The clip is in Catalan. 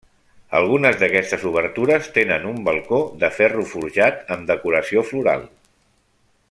Algunes d'aquestes obertures tenen un balcó de ferro forjat amb decoració floral.